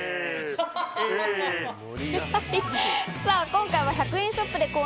今回は１００円ショップで購